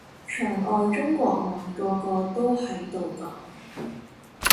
牆外中文網個個都喺度講